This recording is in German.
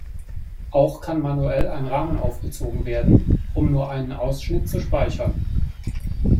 Auch kann manuell ein Rahmen aufgezogen werden, um nur einen Ausschnitt zu speichern.